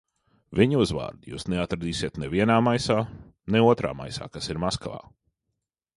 Viņa uzvārdu jūs neatradīsiet ne vienā maisā, ne otrā maisā, kas ir Maskavā.